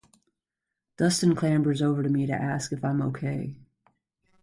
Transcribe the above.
Dustin clambers over to me to ask if I’m ok.